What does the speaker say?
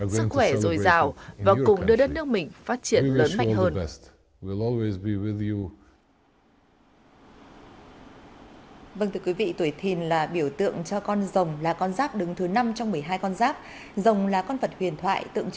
sức khỏe rồi giàu và cùng đưa đất nước mình phát triển lớn mạnh hơn